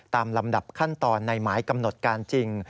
ลำดับขั้นตอนในหมายกำหนดการจริง